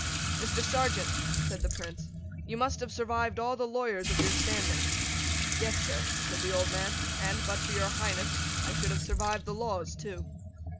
"Mr. Serjeant," said the Prince, "you must have survived all the lawyers of your standing." "Yes, sir," said the old man, "and, but for your Highness, I should have survived the laws too."